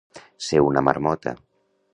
Ser una marmota.